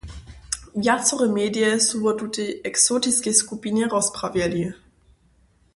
Wjacore medije su wo tutej "eksotiskej" skupinje rozprawjeli.